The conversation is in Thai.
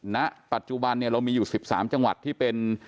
ณปัจจุบันเนี่ยเรามีอยู่๑๓จังหวัดที่เป็น